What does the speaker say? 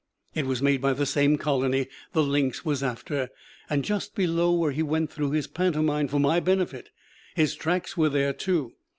It was made by the same colony the lynx was after, and just below where he went through his pantomime for my benefit; his tracks were there too.